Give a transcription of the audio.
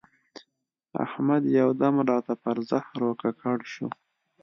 احمد یو دم راته پر زهرو ککړ شو.